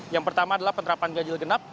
yang pertama adalah penerapan ganjil genap